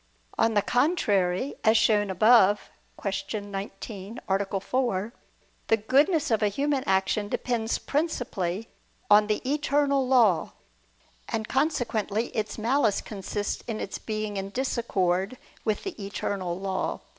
On the contrary, As shown above (Q. 19, A. 4), the goodness of a human action depends principally on the Eternal Law: and consequently its malice consists in its being in disaccord with the Eternal Law.